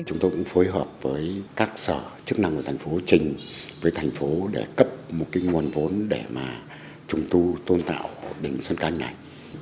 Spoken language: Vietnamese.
chúng tôi cũng phối hợp với các sở chức năng của thành phố trình với thành phố để cấp một cái nguồn vốn để mà trùng tu tôn tạo đình xuân canh này